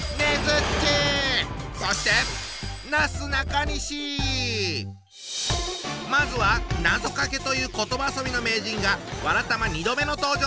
そしてまずはなぞかけという言葉遊びの名人が「わらたま」２度目の登場だ！